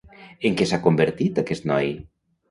En què s'ha convertit aquest noi?